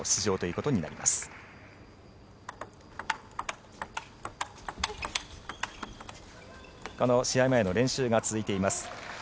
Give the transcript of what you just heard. この試合前の練習が続いています。